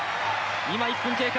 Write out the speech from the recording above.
今１分経過。